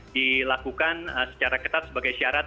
dilakukan secara ketat sebagai syarat